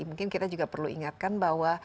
mungkin kita juga perlu ingatkan bahwa